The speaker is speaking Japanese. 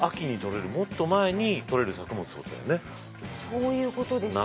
そういうことですよね。